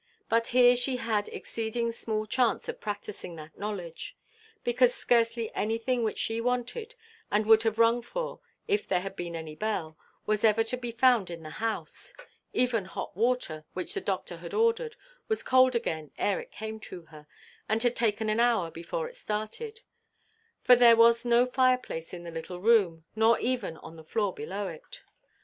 But here she had exceeding small chance of practising that knowledge; because scarcely anything which she wanted, and would have rung for, if there had been any bell, was ever to be found in the house. Even hot water, which the doctor had ordered, was cold again ere it came to her, and had taken an hour before it started; for there was no fireplace in the little room, nor even on the floor below it.